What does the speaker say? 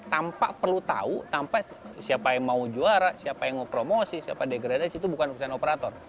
tanpa perlu tahu tanpa siapa yang mau juara siapa yang mau promosi siapa degradasi itu bukan urusan operator